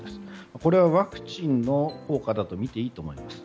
これはワクチンの効果だとみていいと思います。